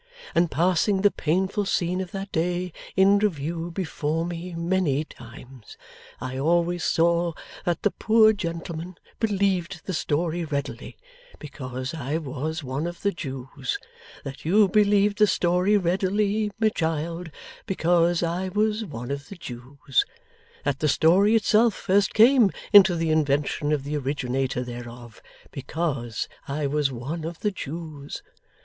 And passing the painful scene of that day in review before me many times, I always saw that the poor gentleman believed the story readily, because I was one of the Jews that you believed the story readily, my child, because I was one of the Jews that the story itself first came into the invention of the originator thereof, because I was one of the Jews.